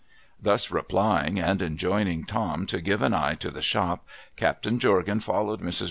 Thus replying, and enjoining Tom to give an eye to the shop, Captain Jorgan followed ]\Irs.